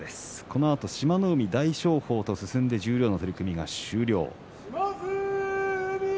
このあと志摩ノ海大翔鵬と進んで十両の取組が終了。